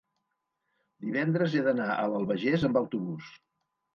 divendres he d'anar a l'Albagés amb autobús.